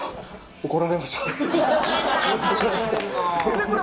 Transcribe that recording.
怒られました。